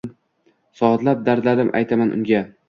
Soatlab dardlarim aytaman unga